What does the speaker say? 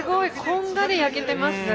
こんがり焼けてます。